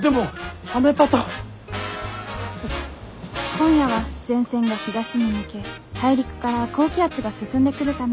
「今夜は前線が東に抜け大陸から高気圧が進んでくるため」。